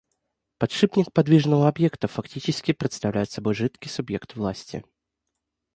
Подшипник подвижного объекта фактически представляет собой жидкий субъект власти.